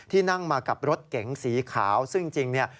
นั่งมากับรถเก๋งสีขาวซึ่งจริงเนี่ย